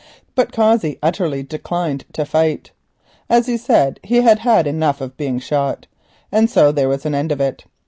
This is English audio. But Cossey utterly declined to fight. As he said, he had had enough of being shot, and so there was an end of it.